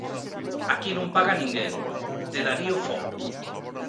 "Aquí non paga ninguén", de Darío Fo.